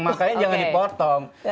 makanya jangan dipotong